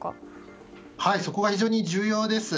そこは非常に重要です。